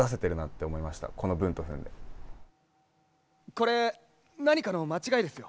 これ、何かの間違いですよ。